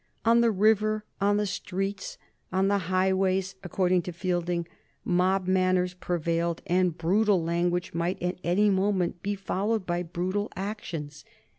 On the river, on the streets, on the highways, according to Fielding, mob manners prevailed, and brutal language might at any moment be followed by brutal actions.